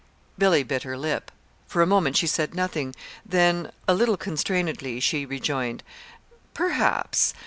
Billy bit her lip. For a moment she said nothing, then, a little constrainedly, she rejoined: "Perhaps.